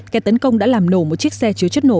kẻ tấn công đã làm nổ một chiếc xe chứa chất nổ